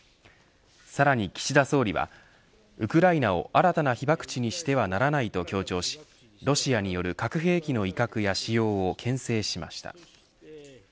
さらに岸田総理はウクライナを新たな被爆地にしてはならないと強調しロシアによる核兵器の威嚇や使用をけん制しました。